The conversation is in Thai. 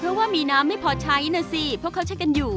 เพราะว่ามีน้ำไม่พอใช้นะสิเพราะเขาใช้กันอยู่